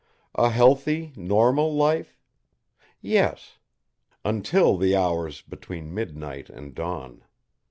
A healthy, normal life? Yes until the hours between midnight and dawn.